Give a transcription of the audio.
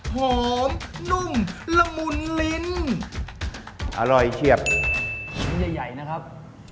หอมนุ่มละมุนลิ้นอร่อยเฉียบชิ้นใหญ่ใหญ่นะครับ